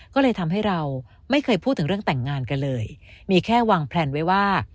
ก็เลยทำให้เราไม่เคยพูดถึงเรื่องแต่งงานกันเลยมีแค่วางแพลนไว้ว่า